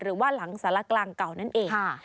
หรือว่าหลังสารกลางเก่านั่นเอง